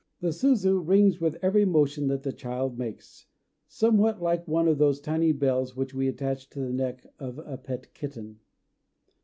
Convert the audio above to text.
The suzu rings with every motion that the child makes, somewhat like one of those tiny bells which we attach to the neck of a pet kitten.